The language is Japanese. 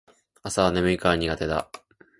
朝は眠いから苦手だ